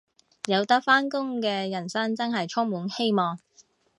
有得返工嘅人生真係充滿希望